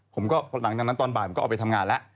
หลังจากนั้นตอนบ่ายผมก็ออกไปทำงานแล้ว